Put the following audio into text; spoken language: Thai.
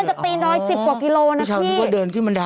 จากตีนดอย๑๐กว่ากิโลนะที่